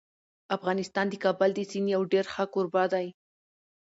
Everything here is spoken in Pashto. افغانستان د کابل د سیند یو ډېر ښه کوربه دی.